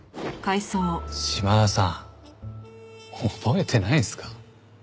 島田さん覚えてないんすか？